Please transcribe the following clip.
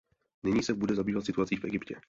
Nyní se budu zabývat situací v Egyptě.